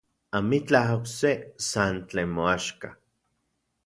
Amitlaj okse, san tlen moaxka.